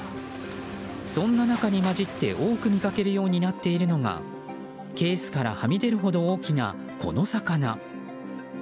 そんな中に交じって多く見かけるようになっているのがケースからはみ出るほど大きなこの魚。